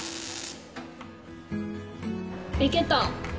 いけた。